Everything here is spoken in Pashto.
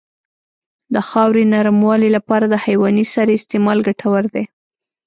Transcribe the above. د خاورې نرموالې لپاره د حیواني سرې استعمال ګټور دی.